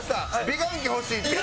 美顔器欲しいって。